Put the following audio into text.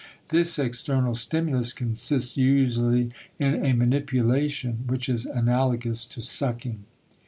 This external stimulus consists usually in a manipulation which is analogous to sucking.